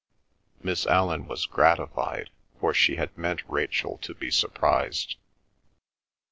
Miss Allan was gratified, for she had meant Rachel to be surprised.